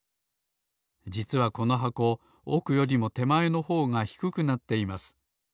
じつはこの箱おくよりもてまえのほうがひくくなっています。